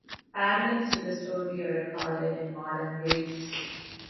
Parallels to the story are recorded in modern Greece.